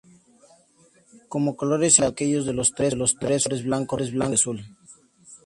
Como colores se adoptaron aquellos de los tres fundadores: blanco, rojo y azul.